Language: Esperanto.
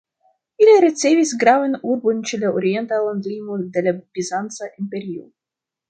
Ili ricevis gravajn urbojn ĉe la orienta landlimo de la Bizanca Imperio.